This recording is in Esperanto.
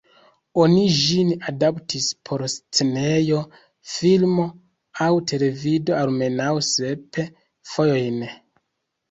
Oni ĝin adaptis por scenejo, filmo, aŭ televido almenaŭ sep fojojn.